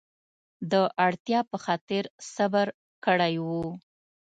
د اړتیا په خاطر صبر کړی و.